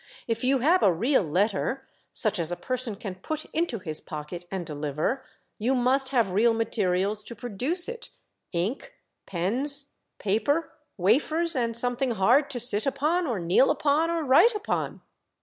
'* If you have a real letter, such as a person can put into his pocket and deliver, you must have real materials to produce it, ink, pens, paper, wafers, and something hard to sit upon, or kneel upon, or write upon."